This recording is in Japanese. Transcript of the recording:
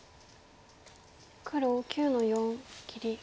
黒９の四切り。